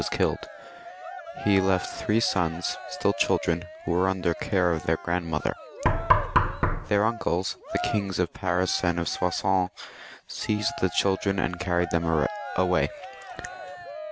was killed. He left three sons, still children, who were under the care of their grandmother. Their uncles, the Kings of Paris and of Soissons, seized the children and carried them away.